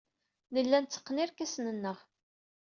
Nella netteqqen irkasen-nneɣ.